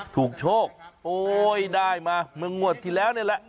โชคโอ้ยได้มาเมื่องวดที่แล้วนี่แหละ